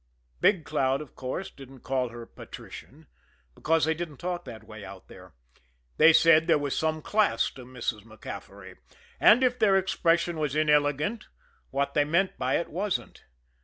Big Cloud, of course, didn't call her patrician because they didn't talk that way out there. They said there was "some class" to Mrs. MacCaffery and if their expression was inelegant, what they meant by it wasn't.